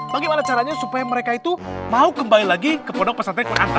bagaimana caranya supaya mereka itu mau kembali lagi ke pondok pesantren